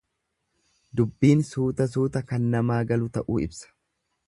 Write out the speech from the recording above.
Dubbiin suuta suuta kan namaa galu ta'uu ibsa.